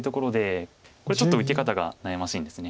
これちょっと受け方が悩ましいんです。